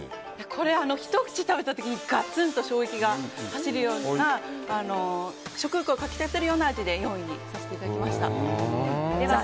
これ、ひと口食べた時にガツンと衝撃が走るような食欲をかき立てるような味で４位にさせていただきました。